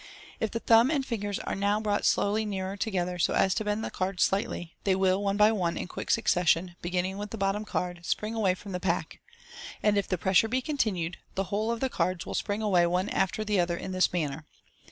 If the thumb and ringers are now brought slowly nearer together, so as to bend the cards slightly, they will one by one, in quick succession (beginning with the bottom card) spring away from the pack ; and if the pressure be continued, the whole of the cards will spring away one after the other in this manner.